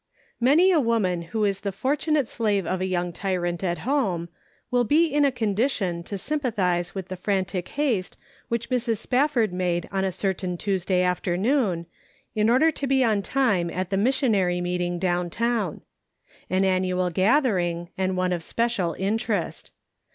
;ANY a woman who is the fortunate slave of a young tyrant at home, will be in a condition to sympathize with the frantic haste which Mrs. Spafford made on a certain Tuesday afternoon, in order to be on time at the missionary meeting down town. An annual gathering, and one of special interest.